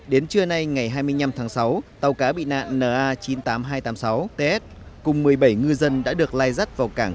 đến trưa nay ngày hai mươi năm tháng sáu tàu cá bị nạn na chín mươi tám nghìn hai trăm tám mươi sáu ts cùng một mươi bảy ngư dân đã được lai rắt vào cảng